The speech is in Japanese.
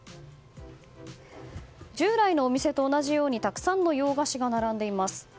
従来のお店と同じようにたくさんの洋菓子が並んでいます。